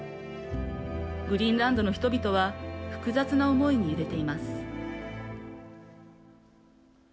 グリーンランドの人々は複雑な思いに揺れています。